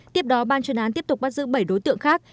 tiếp đó ban chuyên án tiếp tục bắt giữ bảy đối tượng khác